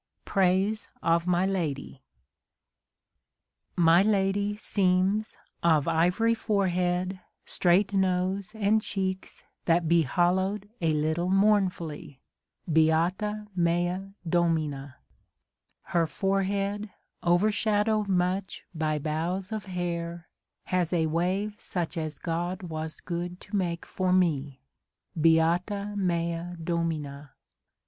Praise of my Lady : My lady seems of ivory Forehead, straight nose, and cheeks that be Hollow'd a little mournfully, Beata mea Domina ! A DAY WITH WILLIAM MORRIS. Her forehead, overshadowed much By bows of hair, has a wave such As God was good to make for me. Beata mea Domina